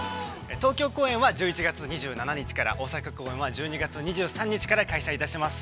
東京公演は、１１月２７日から大阪は、１２月２３日から開催します。